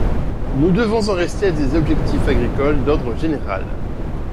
Nous devons en rester à des objectifs agricoles d’ordre général.